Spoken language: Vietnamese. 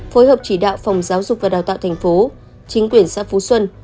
phối hợp chỉ đạo phòng giáo dục và đào tạo tp chính quyền xã phú xuân